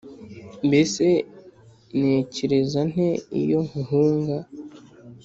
mba nekereza nte iyo nkuhunga?